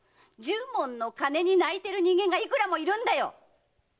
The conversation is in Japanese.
十文の金に泣いてる人間がいくらもいるんだよ！